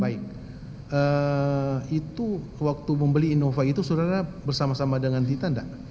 baik itu waktu membeli innova itu saudara bersama sama dengan dita enggak